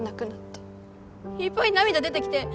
いっぱい涙出てきて。